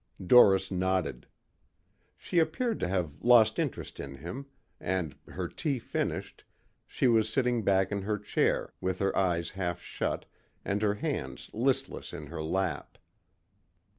Doris nodded. She appeared to have lost interest in him and, her tea finished, she was sitting back in her chair with her eyes half shut and her hands listless in her lap.